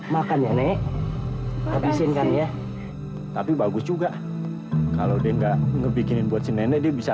makan ya nek habisin kan ya tapi bagus juga kalau dia nggak ngebikinin buat si nenek bisa